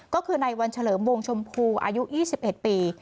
ก็คือในวันเฉลิมวงชมพูอายุ๒๑ปี